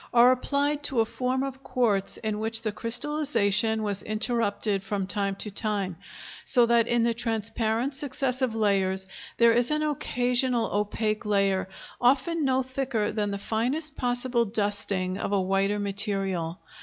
are applied to a form of quartz in which the crystallization was interrupted from time to time, so that in the transparent successive layers there is an occasional opaque layer, often no thicker than the finest possible dusting of a whiter material.